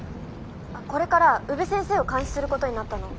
これから宇部先生を監視することになったの。